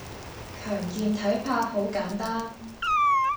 強健體魄好簡單